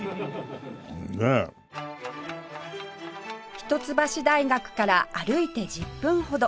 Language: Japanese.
一橋大学から歩いて１０分ほど